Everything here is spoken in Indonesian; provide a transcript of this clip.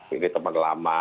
ini teman lama